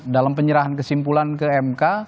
dalam penyerahan kesimpulan ke mk